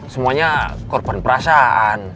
semuanya korban perasaan